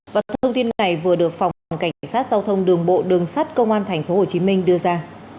và thông tin này vừa được phòng cảnh sát giao thông đường bộ đường sát công an tp hcm đưa ra